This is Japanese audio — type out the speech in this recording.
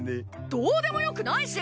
どうでもよくないし！